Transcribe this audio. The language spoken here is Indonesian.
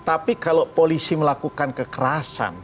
tapi kalau polisi melakukan kekerasan